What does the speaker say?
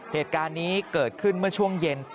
เหตุการณ์นี้เกิดขึ้นเมื่อช่วงเย็น